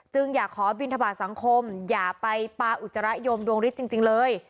อยากขอบินทบาทสังคมอย่าไปปาอุจจาระยมดวงฤทธิ์จริงเลย